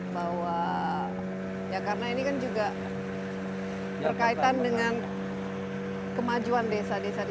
bahwa ya karena ini kan juga berkaitan dengan kemajuan desa desa